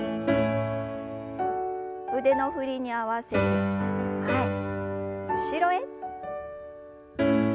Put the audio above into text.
腕の振りに合わせて前後ろへ。